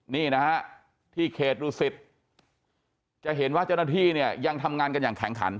นี่นะฮะที่เขตดุสิตจะเห็นว่าเจ้าหน้าที่เนี่ยยังทำงานกันอย่างแข็งขัน